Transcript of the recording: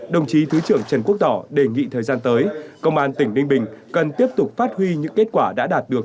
đồng chí thứ trưởng trần quốc tỏ đề nghị thời gian tới công an tỉnh ninh bình cần tiếp tục phát huy những kết quả đã đạt được